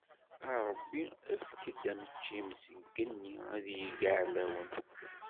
A Ṛebbi efk-d ameččim, deg yigenni ad yegg iɛlawen.